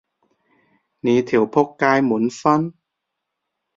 你條僕街滿分？